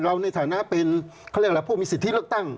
เราในฐานะเป็นพวกมีสิทธิเลือกตั้ง